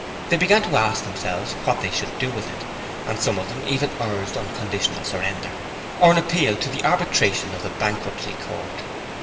They began to ask themselves what they should do with it; and some of them even urged unconditional surrender, or an appeal to the arbitration of the Bankruptcy Court.